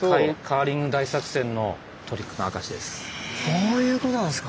こういうことなんですか。